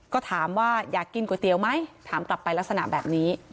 ก็ถามว่าอยากกินก๋วยเตี๋ยวไหมถามกลับไปลักษณะแบบนี้